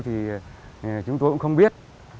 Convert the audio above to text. thì chúng tôi cũng không biết